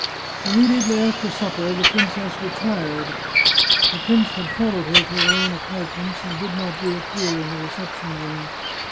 Immediately after supper the princess retired. The prince had followed her to her own apartments, and did not reappear in the reception room.